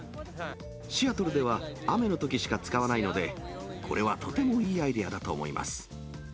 シアトルでは雨のときしか使わないので、これはとてもいいアイデアだと思います。